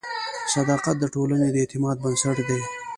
صداقت د ټولنې د اعتماد بنسټ دی.